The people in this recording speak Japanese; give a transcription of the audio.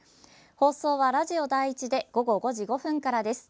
放送はラジオ第１で午後５時５分からです。